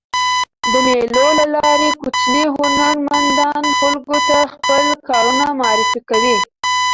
د مېلو له لاري کوچني هنرمندان خلکو ته خپل کارونه معرفي کوي.